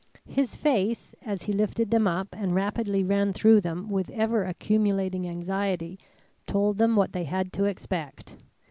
His face, as he lifted them up and rapidly ran through them with ever accumulating anxiety, told them what they had to expect.